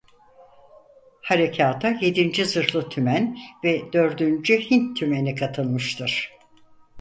Harekâta yedinci Zırhlı Tümen ve dördüncü Hint Tümeni katılmıştır.